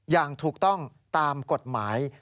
อย่างถูกต้องตามกฎหมาย